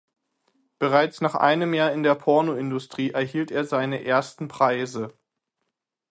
Bereits nach einem Jahr in der Pornoindustrie erhielt er seine ersten Preise.